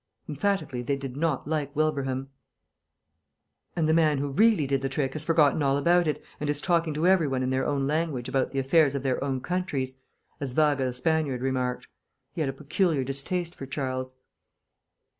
Emphatically they did not like Wilbraham. "And the man who really did the trick has forgotten all about it, and is talking to every one in their own language about the affairs of their own countries," as Vaga the Spaniard remarked. He had a peculiar distaste for Charles.